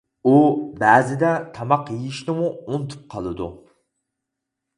ئۇ بەزىدە تاماق يېيىشنىمۇ ئۇنتۇپ قالىدۇ.